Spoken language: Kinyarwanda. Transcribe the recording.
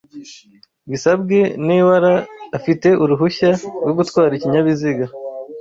Bisabwe n'ewara afite urehushya rwo gutwara ikinyabiziga